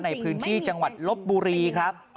ในพื้นที่จังหวัดลบบุรีครับ